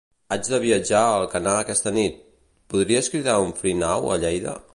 Haig de viatjar a Alcanar aquesta nit; podries cridar un Free Now a Lleida?